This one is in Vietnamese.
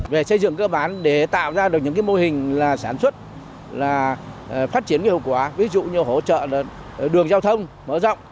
về xây dựng cơ bán để tạo ra được những mô hình sản xuất phát triển hữu quả ví dụ như hỗ trợ đường giao thông mở rộng